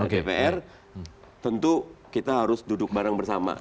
dpr tentu kita harus duduk bareng bersama